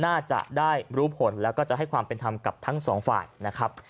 น่าจะได้รู้ผลแล้วก็จะให้ความเป็นธรรมกับทั้งสองฝ่ายนะครับ